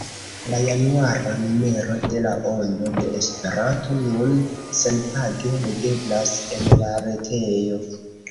La januara numero de La Ondo de Esperanto nun senpage legeblas en la retejo.